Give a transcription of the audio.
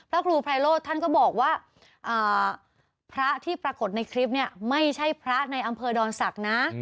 พระครูไพรโลธท่านก็บอกว่าพระที่ปรากฏในคลิปเนี่ยไม่ใช่พระในอำเภอดอนศักดิ์นะ